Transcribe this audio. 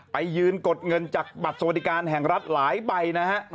ไปยืนกดเงินจากบัตรสวัสดิการแห่งรัฐหลายใบนะฮะ